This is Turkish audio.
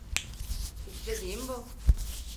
İstediğin bu.